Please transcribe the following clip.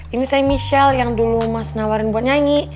ini saya michelle yang dulu mas nawarin buat nyanyi